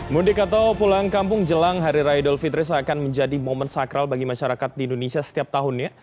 mudik atau pulang kampung jelang hari raya idul fitri seakan menjadi momen sakral bagi masyarakat di indonesia setiap tahunnya